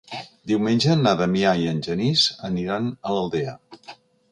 Diumenge na Damià i en Genís aniran a l'Aldea.